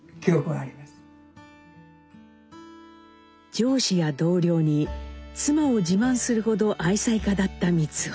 上司や同僚に妻を自慢するほど愛妻家だった光男。